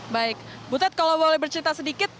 baik butet kalau boleh bercerita sedikit